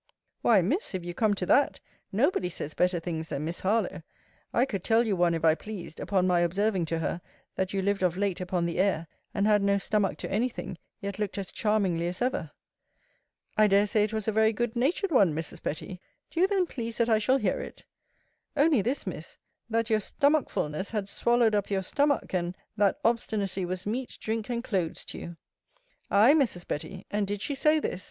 Why, Miss, if you come to that, nobody says better things than Miss Harlowe. I could tell you one, if I pleased, upon my observing to her, that you lived of late upon the air, and had no stomach to any thing; yet looked as charmingly as ever. I dare say, it was a very good natured one, Mrs. Betty! Do you then please that I shall hear it? Only this, Miss, That your stomachfulness had swallowed up your stomach; and, That obstinacy was meat, drink, and clothes to you. Ay, Mrs. Betty; and did she say this?